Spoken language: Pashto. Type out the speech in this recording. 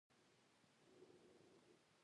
مېوې د افغانستان د اقلیم ځانګړتیا ده.